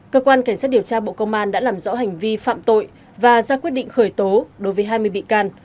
cơ quan cảnh sát điều tra bộ công an đã làm rõ hành vi phạm tội và ra quyết định khởi tố đối với hai mươi bị can